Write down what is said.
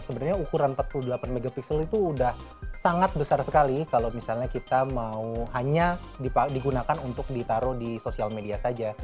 sebenarnya ukuran empat puluh delapan mp itu sudah sangat besar sekali kalau misalnya kita mau hanya digunakan untuk ditaruh di sosial media saja